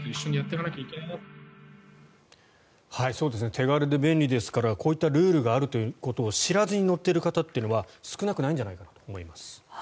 手軽で便利ですからこういったルールがあるということを知らずに乗っている方というのは少なくないんじゃないかと思います。